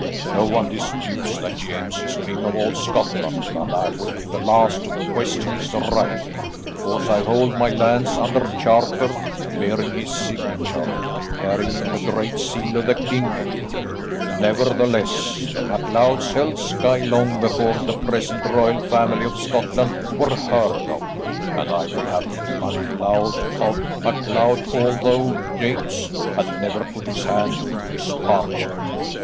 No one disputes that James is king of all Scotland, and I would be the last to question his right, because I hold my lands under charter bearing his signature, carrying the Great Seal of the kingdom; nevertheless, the MacLeods held Skye long before the present royal family of Scotland were heard of, and I would have been MacLeod of MacLeod although James had never put his hand to this parchment.